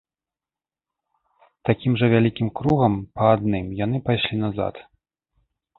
Такім жа вялікім кругам, па адным, яны пайшлі назад.